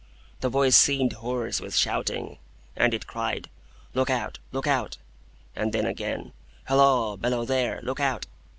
The voice seemed hoarse with shouting, and it cried, 'Look out! Look out!' And then again, 'Halloa! Below there! Look out!